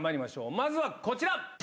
まずはこちら。